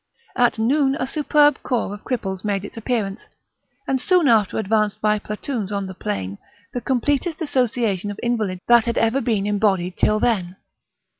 At noon a superb corps of cripples made its appearance, and soon after advanced by platoons on the plain, the completest association of invalids that had ever been embodied till then.